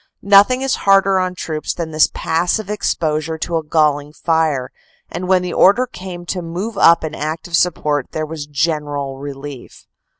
Nothing is harder on troops than this passive exposure to a galling fire, and when the order came to move up in active support there was general relief.